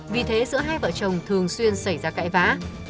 vì thế giữa hai vợ chồng thường xuyên xảy ra cãi vã